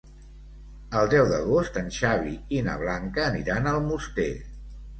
El deu d'agost en Xavi i na Blanca aniran a Almoster.